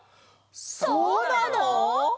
そうなの！？